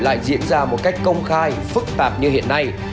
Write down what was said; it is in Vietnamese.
lại diễn ra một cách công khai phức tạp như hiện nay